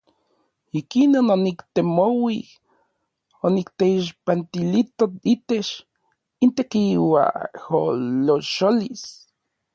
Ikinon oniktemouij onikteixpantilito itech intekiuajolocholis.